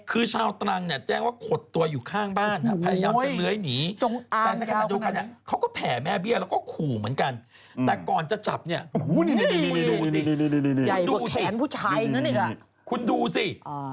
คือชาวตรังเนี่ยแจ้งว่าขดตัวอยู่ข้างบ้านพยายามจะเหนือยหนี